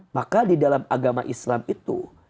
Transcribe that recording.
maka di dalam agama islam itu